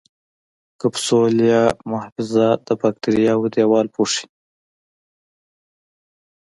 کپسول یا محفظه د باکتریاوو دیوال پوښي.